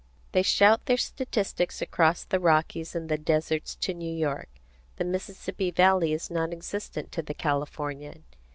They shout their statistics across the Rockies and the deserts to New York. The Mississippi Valley is non existent to the Californian.